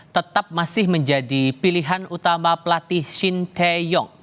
tetap masih menjadi pilihan utama pelatih shin tae yong